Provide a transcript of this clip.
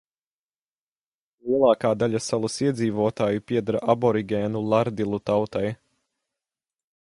Lielākā daļa salas iedzīvotāju pieder aborigēnu lardilu tautai.